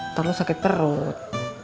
ntar lo sakit perut